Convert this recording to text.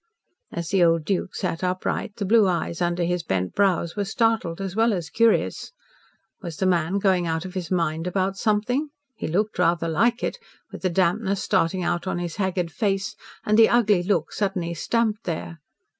As the old Duke sat upright, the blue eyes under his bent brows were startled, as well as curious. Was the man going out of his mind about something? He looked rather like it, with the dampness starting out on his haggard face, and the ugly look suddenly stamped there.